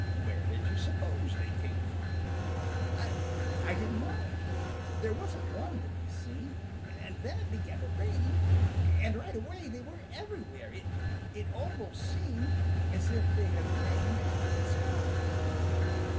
Where did you suppose they came from?" "I I didn't know. There wasn't one to be seen, and then it began to rain, and right away they were everywhere. It it almost seemed as if they had rained down out of the sky."